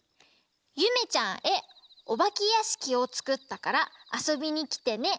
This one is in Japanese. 「ゆめちゃんへおばけやしきをつくったからあそびにきてね。